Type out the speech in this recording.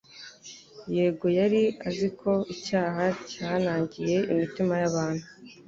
Yego yari azi uko icyaha cyanangiye imitima y'abantu,